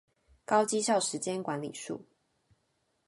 高績效時間管理術